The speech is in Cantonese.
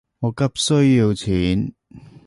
我急需要錢